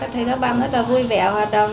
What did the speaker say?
thấy các bạn rất là vui vẻ hòa đồng